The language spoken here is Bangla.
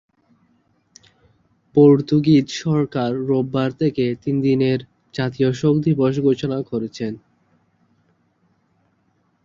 পর্তুগিজ সরকার রোববার থেকে তিনদিনের জাতীয় শোক দিবস ঘোষণা করেছে।